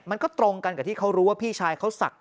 ตรงกันกับที่เขารู้ว่าพี่ชายเขาศักดิ์